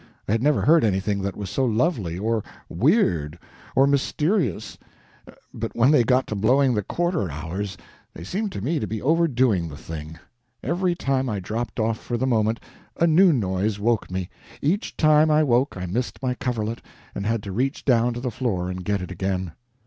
I had never heard anything that was so lovely, or weird, or mysterious but when they got to blowing the quarter hours, they seemed to me to be overdoing the thing. Every time I dropped off for the moment, a new noise woke me. Each time I woke I missed my coverlet, and had to reach down to the floor and get it again.